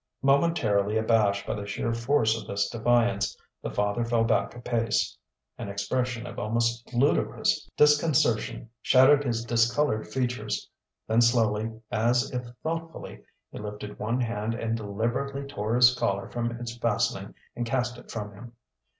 Momentarily abashed by the sheer force of this defiance, the father fell back a pace. An expression of almost ludicrous disconcertion shadowed his discoloured features. Then slowly, as if thoughtfully, he lifted one hand and deliberately tore his collar from its fastening and cast it from him.